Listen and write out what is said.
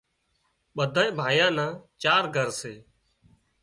ٻڌائي ڀائيان نا چار گھر سي